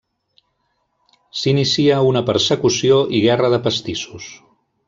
S'inicia una persecució i guerra de pastissos.